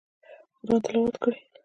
قرآن تلاوت کړئ